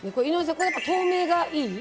これやっぱ透明がいい？